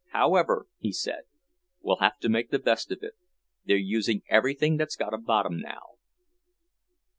"However," he said, "we'll have to make the best of it. They're using everything that's got a bottom now."